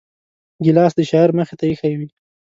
ګیلاس د شاعر مخې ته ایښی وي.